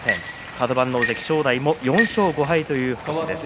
カド番の大関正代も４勝５敗という星です。